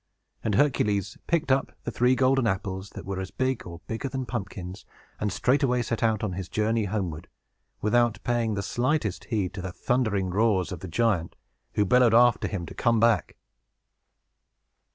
And Hercules picked up the three golden apples, that were as big or bigger than pumpkins, and straightway set out on his journey homeward, without paying the slightest heed to the thundering tones of the giant, who bellowed after him to come back.